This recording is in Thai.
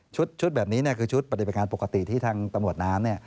ชุดแบบนี้คือชุดปฏิบัติการปกติที่ทางตำรวจน้ำ